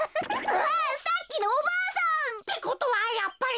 うわさっきのおばあさん！ってことはやっぱり。